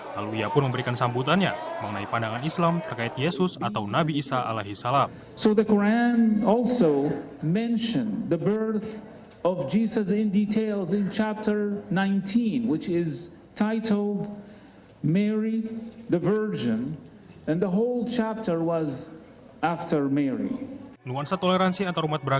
lalu ia pun memberikan sambutannya mengenai pandangan islam terkait yesus atau nabi isa alaihi salam